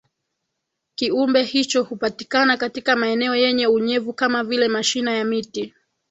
Kiumbe hicho hupatikana katika maeneo yenye unyevu kama vile mashina ya miti